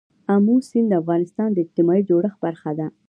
آمو سیند د افغانستان د اجتماعي جوړښت برخه ده.